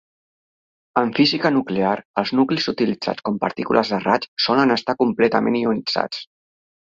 En física nuclear, els nuclis utilitzats com partícules de raig solen estar completament ionitzats.